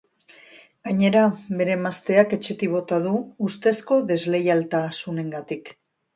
Gainera, bere emazteak etxetik bota du, ustezko desleiltasunengatik.